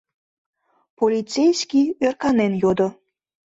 — полицейский ӧрканен йодо.